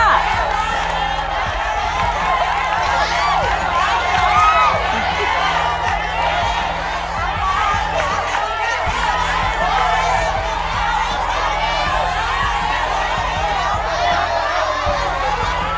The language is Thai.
อีกชุมนึง